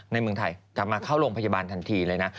เมืองไทยกลับมาเข้าโรงพยาบาลทันทีเลยนะ